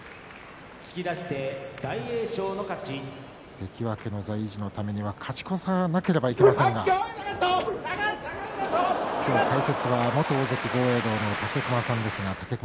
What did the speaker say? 関脇の座、維持のためには勝ち越さなければいけませんが今日の解説は元大関豪栄道の武隈さんです。